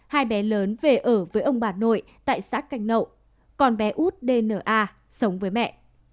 hai bé lớn về ở với ông bà nuôi tại xác canh nậu con bé út dna sống với mẹ